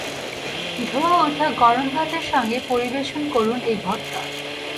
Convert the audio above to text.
ধোয়া ওঠা গরম ভাতের সঙ্গে পরিবেশন করুন এই ভর্তা।